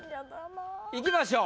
いきましょう。